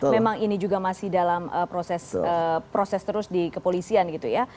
memang ini juga masih dalam proses terus di kepolisian gitu ya